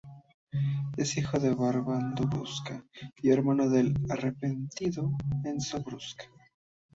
Es hijo de Bernardo Brusca, y hermano del "arrepentido" Enzo Brusca.